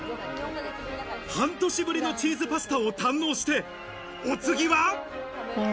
半年ぶりのチーズパスタを堪能して、お次は。